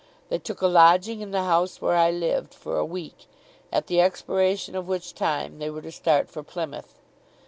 They took a lodging in the house where I lived, for a week; at the expiration of which time they were to start for Plymouth.